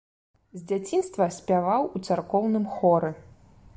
З дзяцінства спяваў у царкоўным хоры.